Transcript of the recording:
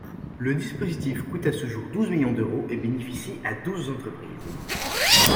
Le dispositif coûte à ce jour douze millions d’euros et bénéficie à douze entreprises.